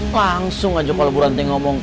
langsung aja kalau bu ranting ngomong